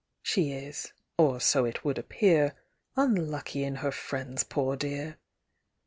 (She is, or so it would appear, Unlucky in her friends, poor dear!)